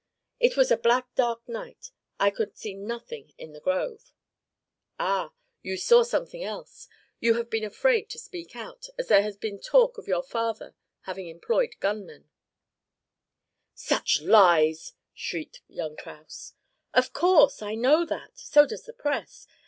"It was a black dark night. I could see nothing in the grove." "Ah! You saw something else! You have been afraid to speak out, as there had been talk of your father having employed gun men " "Such lies!" shrieked young Kraus. "Of course! I know that. So does the press.